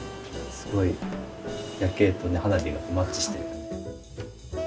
すごい夜景とね花火がマッチしてる。